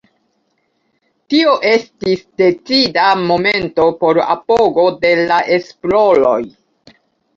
Tio estis decida momento por apogo de la esploroj.